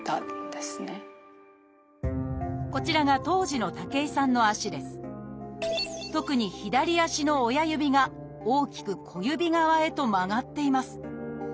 こちらが当時の特に左足の親指が大きく小指側へと曲がっています。